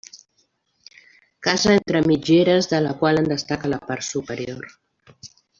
Casa entre mitgeres de la qual en destaca la part superior.